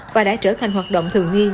và đã trở thành hoạt động thường nghi